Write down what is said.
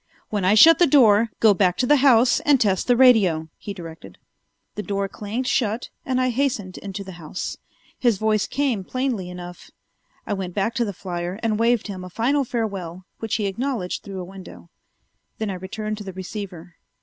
"When I shut the door, go back to the house and test the radio," he directed. The door clanged shut and I hastened into the house. His voice came plainly enough. I went back to the flier and waved him a final farewell, which he acknowledged through a window; then I returned to the receiver.